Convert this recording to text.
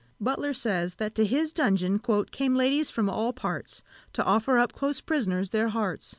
Butler says, that to his dungeon "Came ladies from all parts, To offer up close prisoners their hearts.